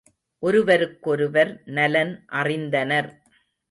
ஒருவருக்கொருவர் நலன் அறிந்தனர்.